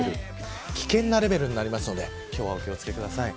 危険なレベルになりますので今日はお気を付けください。